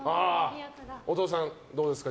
お父さん、どうですか？